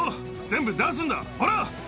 全部出すんだほら！